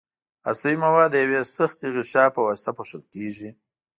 هستوي مواد د یوې سختې غشا په واسطه پوښل کیږي.